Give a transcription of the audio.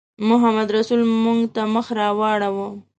محمدرسول موږ ته مخ راواړاوه.